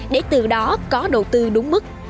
để từ đó có đầu tư đúng mức